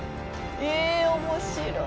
え面白い。